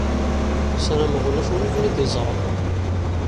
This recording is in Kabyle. Sarameɣ ulac win i kem-id-iẓṛan.